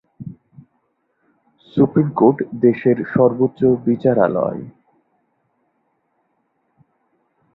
Supreme court দেশের সর্বোচ্চ বিচারালয়।